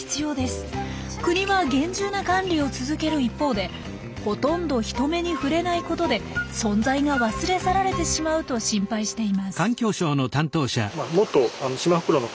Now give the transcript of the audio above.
国は厳重な管理を続ける一方でほとんど人目に触れないことで存在が忘れ去られてしまうと心配しています。